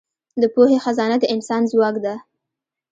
د پوهې خزانه د انسان ځواک ده.